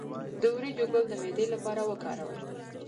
د وریجو ګل د معدې لپاره وکاروئ